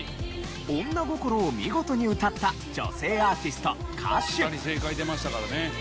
女心を見事に歌った女性アーティスト・歌手。